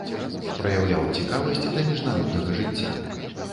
Праяўляў цікавасць да міжнароднага жыцця.